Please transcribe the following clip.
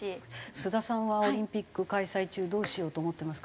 須田さんはオリンピック開催中どうしようと思ってますか？